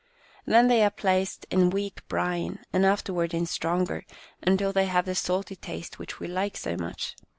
Then they are placed in weak brine, and after ward in stronger, until they have the salty taste which we like so much.